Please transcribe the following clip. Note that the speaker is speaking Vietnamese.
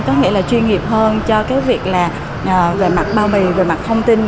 có nghĩa là chuyên nghiệp hơn cho cái việc là về mặt bao bì về mặt thông tin